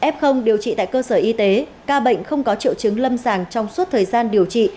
f điều trị tại cơ sở y tế ca bệnh không có triệu chứng lâm sàng trong suốt thời gian điều trị